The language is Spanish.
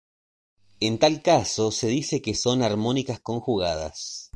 En tal caso se dice que son armónicas conjugadas.